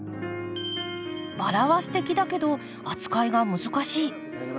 バラはすてきだけど扱いが難しい。